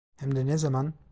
Hem de ne zaman?